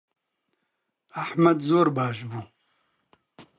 ئەحمەد زۆر باش بوو.